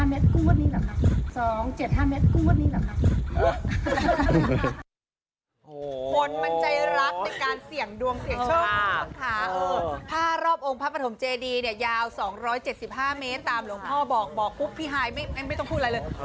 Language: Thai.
๒๗๕เมตรตามหลวงพ่อบอกบอกปุ๊บพี่ฮายไม่ต้องพูดอะไรเลย